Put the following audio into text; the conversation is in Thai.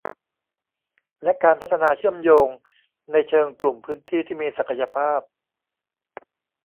และการพัฒนาเชื่อมโยงในเชิงกลุ่มพื้นที่ที่มีศักยภาพ